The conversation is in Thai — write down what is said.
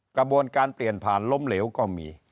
กระบวนการเปลี่ยนผ่านล้มเหลวก็มี